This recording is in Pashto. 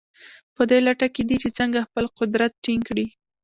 په دې لټه کې دي چې څنګه خپل قدرت ټینګ کړي.